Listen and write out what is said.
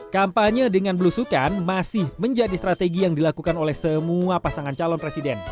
kampanye dengan belusukan masih menjadi strategi yang dilakukan oleh semua pasangan calon presiden